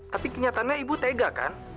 tapi kenyataannya ibu tega kan